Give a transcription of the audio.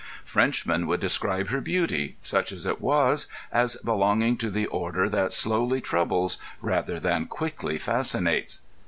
Frenchmen would describe her beauty, such as it was, as belonging to the order that slowly troubles rather than quickly fascinates.